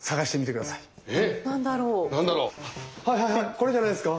これじゃないですか？